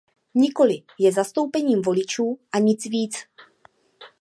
Nikoli, je zastoupením voličů a nic víc.